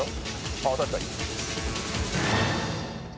あ確かに。